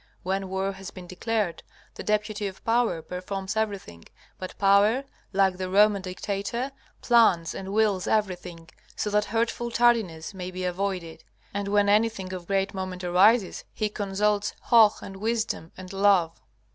When war has been declared, the deputy of Power performs everything, but Power, like the Roman dictator, plans and wills everything, so that hurtful tardiness may be avoided. And when anything of great moment arises he consults Hoh and Wisdom and Love.